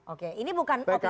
oke ini bukan opini saya